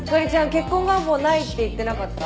結婚願望ないって言ってなかった？